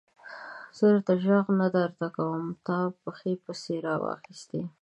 زه ږغ نه درته کوم؛ تا پښې پسې را واخيستې.